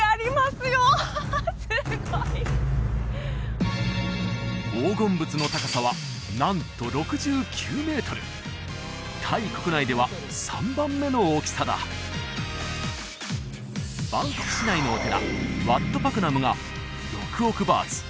すごい黄金仏の高さはなんと６９メートルタイ国内では３番目の大きさだバンコク市内のお寺ワット・パクナムが６億バーツ